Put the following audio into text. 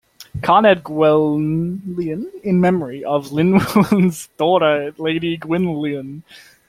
Carnedd Gwenllian in memory of Llywelyn's daughter Lady Gwenllian.